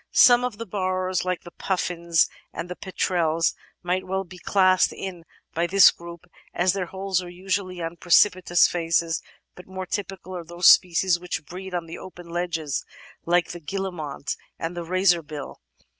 Some of the burrowers, like the Puffins and the Petrels, might well be classed in this group as their holes are usually on precipitous faces, but more typical are those species which breed on the open ledges, like the Guillemot and the Razorbill.